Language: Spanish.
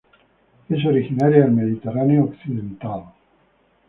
Es originaria del Mediterráneo occidental.